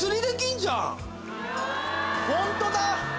ホントだ！